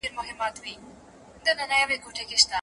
لوڼي به ئې له اوره د ساتلو ذريعه سي.